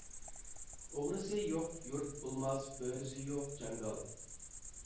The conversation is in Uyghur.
ئوغرىسى يوق يۇرت بولماس، بۆرىسى يوق جاڭگال.